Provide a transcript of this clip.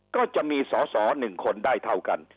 ก็จะมีสอสอ๑คนได้เท่ากัน